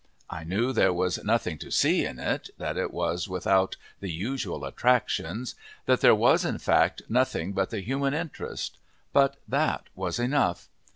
I knew there was "nothing to see" in it, that it was without the usual attractions; that there was, in fact, nothing but the human interest, but that was enough.